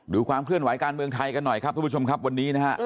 ความเคลื่อนไหวการเมืองไทยกันหน่อยครับทุกผู้ชมครับวันนี้นะฮะ